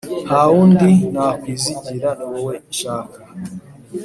Ntawundi nakwizigira niwowe nshaka